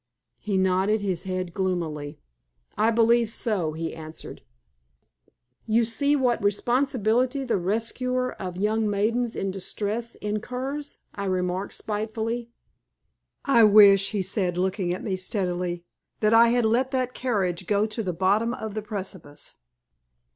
He nodded his head gloomily. "I believe so," he answered. "You see what responsibility the rescuer of young maidens in distress incurs," I remarked, spitefully. "I wish," he said, looking at me steadily, "that I had let that carriage go to the bottom of the precipice."